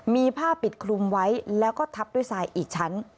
มีผ้าปิดคลุมไว้แล้วก็ทับด้วยทรายอีกชั้น